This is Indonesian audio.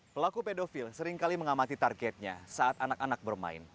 pelaku pedofil seringkali mengamati targetnya saat anak anak bermain